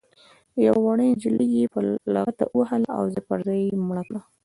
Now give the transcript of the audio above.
یوه وړه نجلۍ یې په لغته ووهله او ځای پر ځای یې مړه کړه.